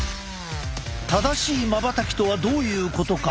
「正しいまばたき」とはどういうことか。